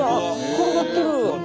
転がってる！